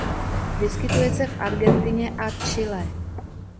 Vyskytuje se v Argentině a Chile.